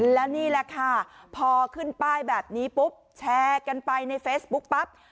แล้วนี่แหละค่ะพอขึ้นป้ายแบบนี้ปุ๊บแชร์กันไปในเฟซบุ๊กปั๊บ